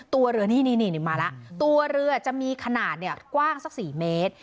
ตัวเรือนี่มาแล้วตัวเรือจะมีขนาดกว้างสัก๔เมตร